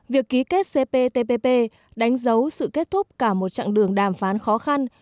việc ký kết c p t p p đánh dấu sự kết thúc cả một trạng đường đàm phán khó khăn